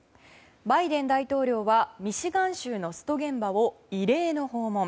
バイデン大統領はミシガン州のスト現場を異例の訪問。